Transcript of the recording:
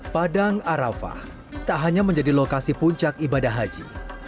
padang arafah tak hanya menjadi lokasi puncak ibadah haji